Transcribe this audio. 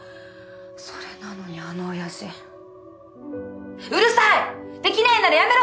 それなのにあの親父「うるさい！できないんならやめろ！